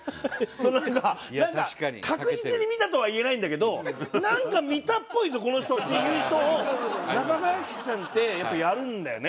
そのなんか確実に見たとは言えないんだけどなんか見たっぽいぞこの人っていう人を中川家さんってやっぱやるんだよね。